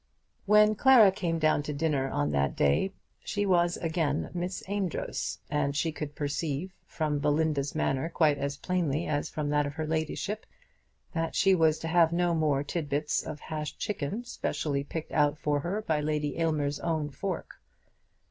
When Clara came down to dinner on that day she was again Miss Amedroz, and she could perceive, from Belinda's manner quite as plainly as from that of her ladyship, that she was to have no more tit bits of hashed chicken specially picked out for her by Lady Aylmer's own fork.